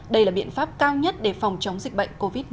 đây là biện pháp cao nhất để phòng chống dịch bệnh covid một mươi chín